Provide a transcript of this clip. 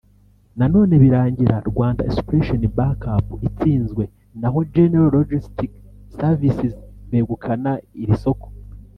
na none birangira Rwanda Inspiration Back Up itsinzwe naho General Logistic Services begukana iri soko